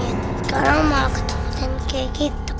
sekarang malah ketawa dan kayak gitu